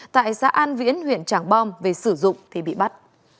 tại xã an viễn huyện tràng bom về sử dụng thì bị bắt